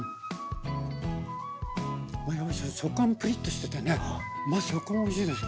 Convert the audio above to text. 食感もプリッとしててね食感がおいしいですよね。